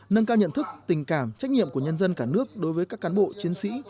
nâng cao nhận thức tình cảm trách nhiệm của nhân dân cả nước đối với các cán bộ chiến sĩ